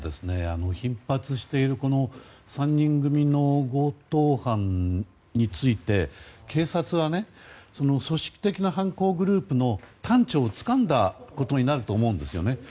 頻発している３人組の強盗犯について警察は組織的な犯行グループの端緒をつかんだことになると思うんですね。